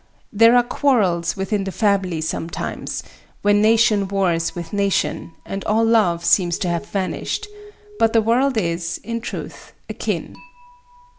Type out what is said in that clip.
There are quarrels within the family sometimes, when nation wars with nation, and all love seems to have vanished; but the world is, in truth, akin.